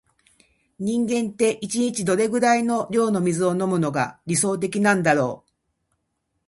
人間って、一日にどれくらいの量の水を飲むのが理想的なんだろう。